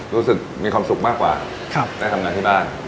รู้สึกมีความสุขมากกว่าได้ทำงานที่บ้าน